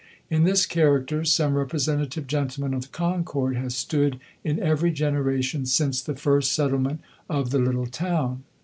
In this character some representative gentleman of Concord has stood in every generation since the first settlement of the little town.